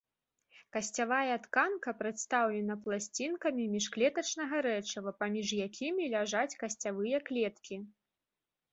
Касцявая тканка прадстаўлена пласцінкамі міжклетачнага рэчыва, паміж якімі ляжаць касцявыя клеткі.